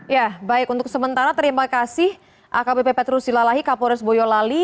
ya baik untuk sementara terima kasih akbp petrus silalahi kapolres boyolali